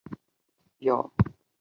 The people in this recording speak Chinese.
群胚的概念在拓扑学中很重要。